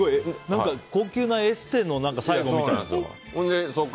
高級なエステの最後みたいな。